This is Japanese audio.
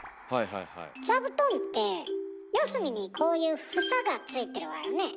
座布団って四隅にこういう房がついてるわよね。